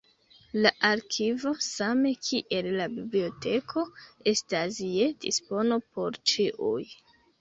La arkivo same kiel la biblioteko estas je dispono por ĉiuj.